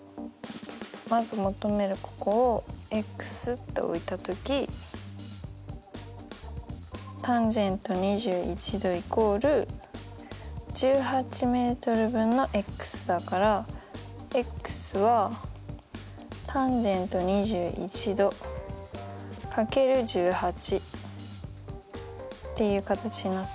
まず求めるここをって置いた時ｔａｎ２１°＝１８ｍ分のだから＝ｔａｎ２１°×１８っていう形になって。